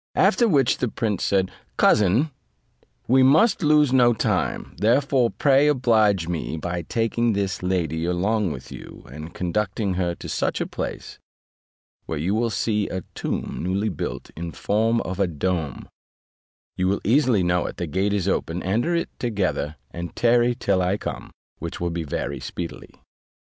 After which the prince said, "Cousin, we must lose no time; therefore pray oblige me by taking this lady along with you, and conducting her to such a place, where you will see a tomb newly built in form of a dome: you will easily know it; the gate is open; enter it together, and tarry till I come, which will be very speedily."